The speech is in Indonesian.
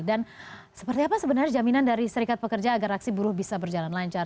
dan seperti apa sebenarnya jaminan dari serikat pekerja agar aksi buruh bisa berjalan lancar